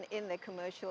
dalam kendaraan komersial